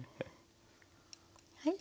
はい。